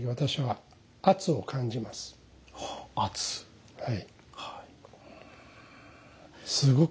はい。